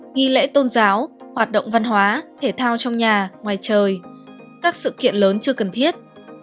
nghi lễ tôn giáo hoạt động văn hóa thể thao trong nhà ngoài trời các sự kiện lớn chưa cần thiết